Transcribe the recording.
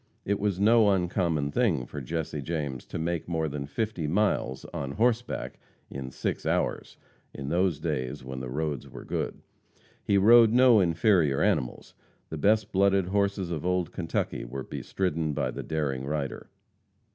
It was no uncommon thing for Jesse James to make more than fifty miles on horseback in six hours, in those days when the roads were good. He rode no inferior animals the best blooded horses of old Kentucky were bestridden by the daring raider.